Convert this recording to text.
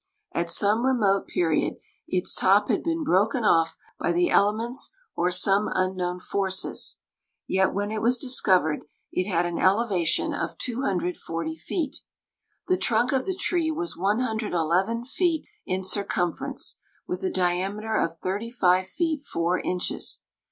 At some remote period its top had been broken off by the elements or some unknown forces, yet when it was discovered it had an elevation of 240 feet. The trunk of the tree was 111 feet in circumference, with a diameter of 35 feet 4 inches.